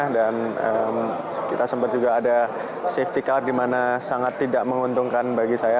dan kita sempat juga ada safety car di mana sangat tidak menguntungkan bagi saya